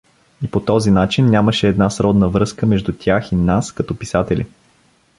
И по този начин нямаше една сродна връзка между тях и нас като писатели.